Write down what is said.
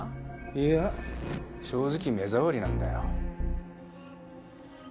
いや正直目障りなんだよ。